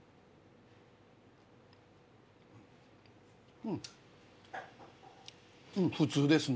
うん普通ですね。